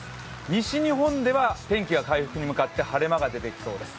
西日本では天気が回復に向かって晴れ間が出てきそうです。